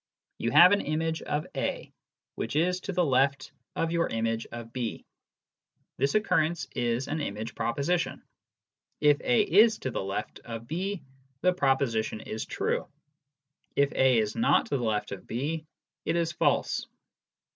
You have an image of A which is to the left of your image of B : this occurrence is an image proposition. If A is to the left of B, the proposition is true ; if A is not to the left of B, it is false.